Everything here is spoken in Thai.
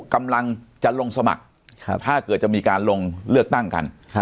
กำลังจะลงสมัครถ้าเกิดจะมีการลงเลือกตั้งกัน